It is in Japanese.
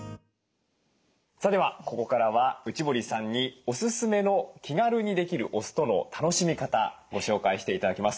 さあではここからは内堀さんにおすすめの気軽にできるお酢との楽しみ方ご紹介して頂きます。